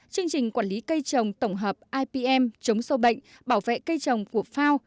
chương trình quản lý cây trồng tổng hợp ipm chống sâu bệnh bảo vệ cây trồng của phao